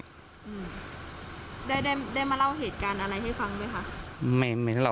อืมได้ได้มาเล่าเหตุการณ์อะไรให้ฟังไหมคะ